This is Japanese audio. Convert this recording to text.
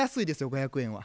５００円は。